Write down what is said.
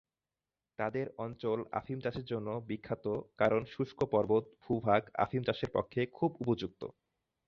তাদের অঞ্চল আফিম চাষের জন্য বিখ্যাত কারণ শুষ্ক পর্বত ভূভাগ আফিম চাষের পক্ষে খুব উপযুক্ত।